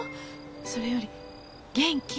それより元気？